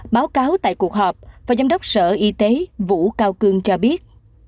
báo cáo tại cuộc họp phó giám đốc sở y tế vũ cao cương cho biết